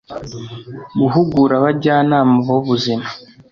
guhugura abajyanama b’ubuzima